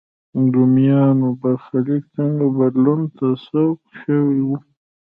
رومیانو برخلیک څنګه بدلون ته سوق شوی و.